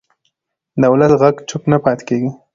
د ولس غږ چوپ نه پاتې کېږي